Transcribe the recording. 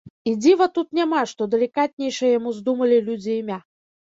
І дзіва тут няма, што далікатнейшае яму здумалі людзі імя.